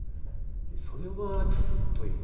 それはちょっと。